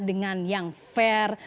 dengan yang fair